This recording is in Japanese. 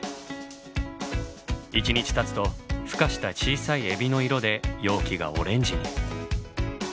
１日たつとふ化した小さいエビの色で容器がオレンジに。